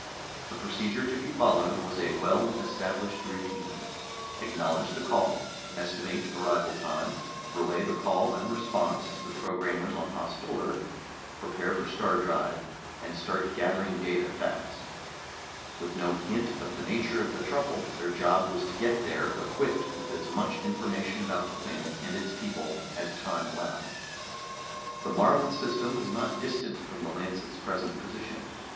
The procedure to be followed was a well established routine: acknowledge the call, estimate arrival time, relay the call and response to the programmers on Hospital Earth, prepare for star drive, and start gathering data fast. With no hint of the nature of the trouble, their job was to get there, equipped with as much information about the planet and its people as time allowed. The Moruan system was not distant from the Lancet's present location.